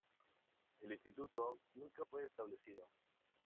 El "Instituto" nunca fue establecido.